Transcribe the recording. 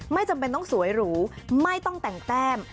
ไม่จำเป็นต้องสวยหรูไม่ต้องแต่งแต้ม